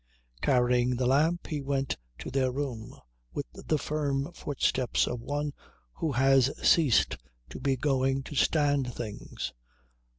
Carrying the lamp he went to their room with the firm footsteps of one who has ceased to be going to stand things.